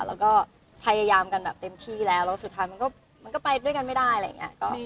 แล้วก็พยายามกันแบบเต็มที่แล้วแล้วสุดท้ายมันก็ไปด้วยกันไม่ได้อะไรอย่างนี้